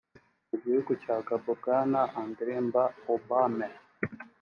Mu gihugu cya Gabon Bwana André Mba Obame